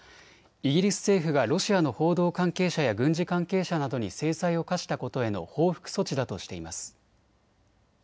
イギリス政府がロシアの報道関係者や軍事関係者などに制裁を科したことへの報復措置だとしています。